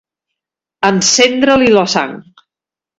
Encendre-li la sang.